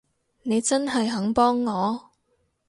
你真係肯幫我？